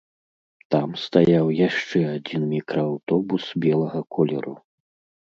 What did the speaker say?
Там стаяў яшчэ адзін мікрааўтобус белага колеру.